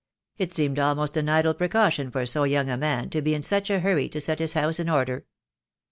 It seemed almost an idle precaution for so young a man to be in such a hurry to set his house in order."